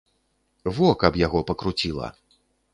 Во, каб яго пакруціла.